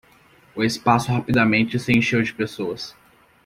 O espaço rapidamente se encheu de pessoas.